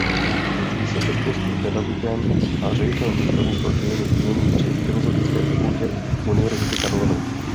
Je vysokoškolským pedagogem a ředitelem Ústavu pro dějiny umění při Filosofické fakultě Univerzity Karlovy.